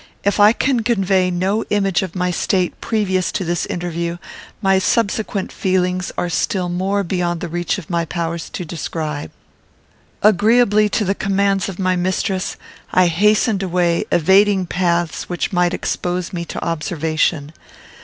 If I can convey no image of my state previous to this interview, my subsequent feelings are still more beyond the reach of my powers to describe. Agreeably to the commands of my mistress, I hastened away, evading paths which might expose me to observation.